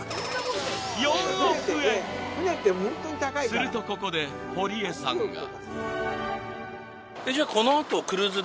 ［するとここで堀江さんが］